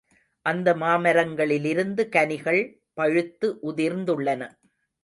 அந்த மாமரங்களிலிருந்து கனிகள் பழுத்து உதிர்ந்துள்ளன.